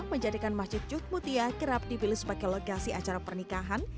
menjadikan masjid jud mutia kerap dipilih sebagai logasi acara pernikahan